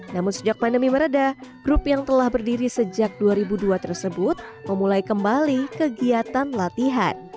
namun sejak pandemi meredah grup yang telah berdiri sejak dua ribu dua tersebut memulai kembali kegiatan latihan